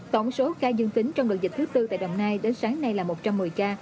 tổng số ca dương tính trong đợt dịch thứ tư tại đồng nai đến sáng nay là một trăm một mươi ca